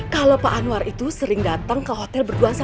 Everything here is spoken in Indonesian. kalau pak anwar itu sering datang ke hotel berdua sama bu ima